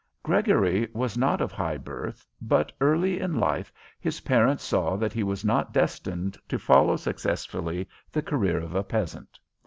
"Gregory was not of high birth, but early in life his parents saw that he was not destined to follow successfully the career of a peasant.